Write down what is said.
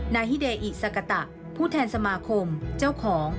ฮิเดอิซากะตะผู้แทนสมาคมเจ้าของ